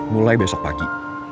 mulai besok pagi